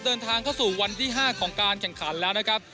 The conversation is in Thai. เดินทางเข้าสู่วันที่๕ของการแข่งขันแล้วนะครับ